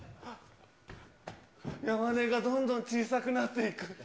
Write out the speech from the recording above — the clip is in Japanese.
山根がどんどん小さくなっていく。